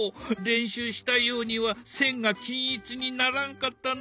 練習したようには線が均一にならんかったな。